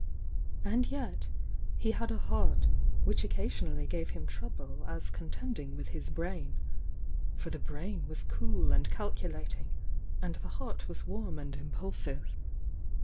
And yet,— he had a heart, which occasionally gave him trouble as contf ding with his brain,— for the brain was cool and calculating, and the heart was v arm and impulsive.